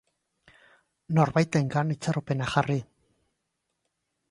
Norbaitengan itxaropena jarri.